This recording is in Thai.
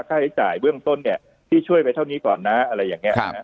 ค่าใช้จ่ายเบื้องต้นเนี่ยพี่ช่วยไปเท่านี้ก่อนนะอะไรอย่างนี้